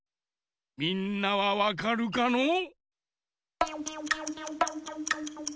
みんなはわかるかのう？